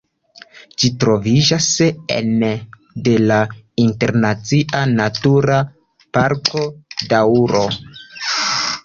Ĝi troviĝas ene de la Internacia Natura Parko Doŭro.